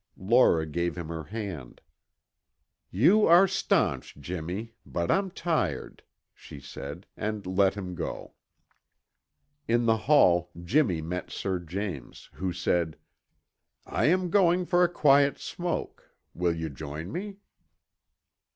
Laura gave him her hand. "You are stanch, Jimmy, but I'm tired," she said, and let him go. In the hall Jimmy met Sir James, who said, "I am going for a quiet smoke. Will you join me?"